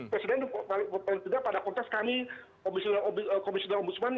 presiden juga pada kontes kami komisional ombudsman